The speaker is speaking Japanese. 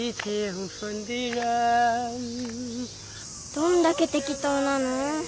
どんだけてき当なの？